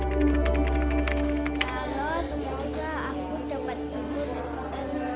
karena seharusnya eurozenie juga berandal